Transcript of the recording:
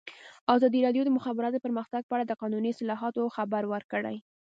ازادي راډیو د د مخابراتو پرمختګ په اړه د قانوني اصلاحاتو خبر ورکړی.